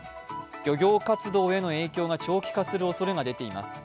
漁業活動への影響が長期化するおそれが出ています。